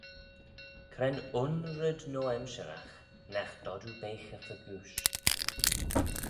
Cre'n un red noa-emshyragh nagh dod oo beaghey fegooish?